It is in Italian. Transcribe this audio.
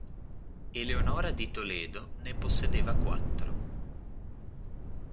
Eleonora di Toledo ne possedeva quattro.